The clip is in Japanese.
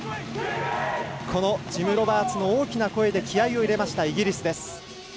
ジム・ロバーツの大きな声で気合いを入れました、イギリス。